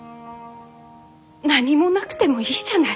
何もなくてもいいじゃない。